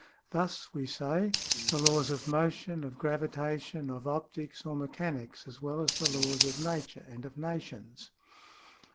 Thus we say, the laws of motion, of gravitation, of optics or mechanics, as well as the laws of nature and of nations."